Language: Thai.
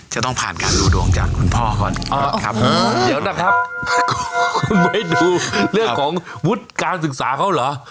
จะต้องผ่านการดูดวงกับคุณพ่อก่อนครับ